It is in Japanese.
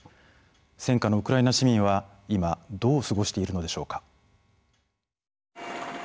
戦禍のウクライナ市民は今どう過ごしているのでしょうか。